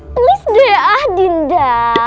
plis dia dinda